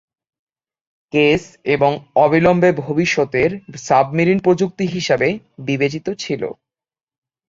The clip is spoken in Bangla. কেস, এবং অবিলম্বে ভবিষ্যতের সাবমেরিন প্রযুক্তি হিসাবে বিবেচিত ছিল।